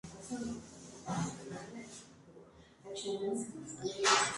El cráter está muy erosionado, con una serie de cauces en su centro.